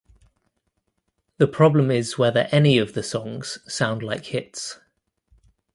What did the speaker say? The problem is whether any of the songs sound like hits.